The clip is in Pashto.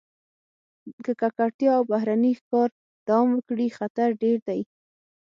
که ککړتیا او بهرني ښکار دوام وکړي، خطر ډېر دی.